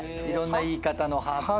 いろんな言い方のはぁ。